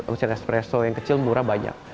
usia espresso yang kecil murah banyak